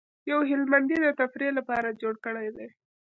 یو هلمندي د تفریح لپاره جوړ کړی دی.